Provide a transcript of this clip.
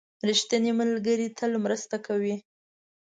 • ریښتینی ملګری تل مرسته کوي.